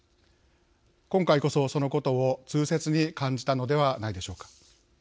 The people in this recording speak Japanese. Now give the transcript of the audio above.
今回こそ、そのことを痛切に感じたのではないでしょうか。